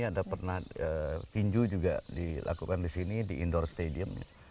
ada pernah tinju juga dilakukan di sini di indoor stadium